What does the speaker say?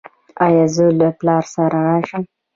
ایا زه له پلار سره راشم؟